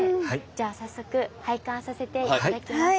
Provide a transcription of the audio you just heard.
じゃあ早速拝観させて頂きましょう。